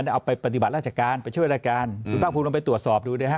อันนั้นเอาไปปฏิบัติราชการไปช่วยราชการคุณภาคคุณลงไปตรวจสอบดูนะฮะ